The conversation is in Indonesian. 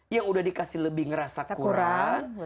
yang udah dikasih lebih ngerasa kurang